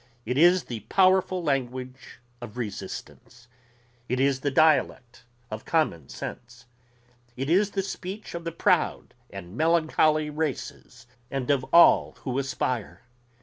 It is the powerful language of resistance ... it is the dialect of common sense. It is the speech of the proud and melancholy races and of all who aspire.